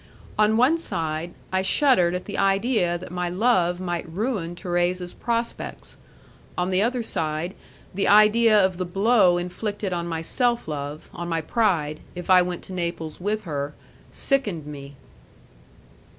On one side, I shuddered at the idea that my love might ruin Thérèse's prospects; on the other side, the idea of the blow inflicted on my self love, on my pride, if I went to Naples with her, sickened me.